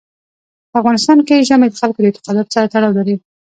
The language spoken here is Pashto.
په افغانستان کې ژمی د خلکو د اعتقاداتو سره تړاو لري.